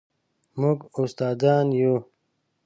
موږ استادان یو